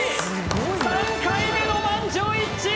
３回目の満場一致